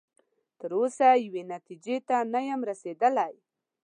تر اوسه یوې نتیجې ته نه یم رسیدلی.